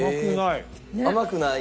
甘くない？